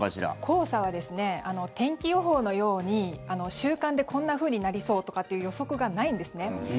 黄砂は天気予報のように週間でこんなふうになりそうとかっていう予測がないんですね。